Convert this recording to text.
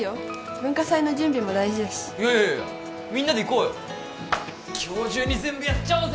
文化祭の準備も大事だしいやいやいやいやみんなで行こうよ今日中に全部やっちゃおうぜ！